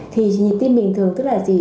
thì nhịp tim bình thường tức là gì